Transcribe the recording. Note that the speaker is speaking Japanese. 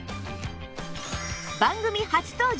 番組初登場